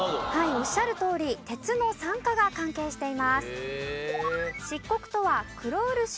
おっしゃるとおり鉄の酸化が関係しています。